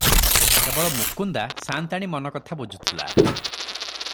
କେବଳ ମୁକୁନ୍ଦା ସାଆନ୍ତାଣୀ ମନ କଥା ବୁଝୁଥିଲା ।